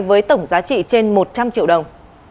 với tổng giá trị trên một trăm linh triệu đồng